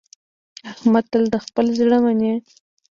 احمد تل د خپل زړه مني.